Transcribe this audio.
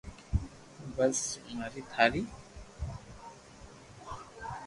بس مر زي ٿاري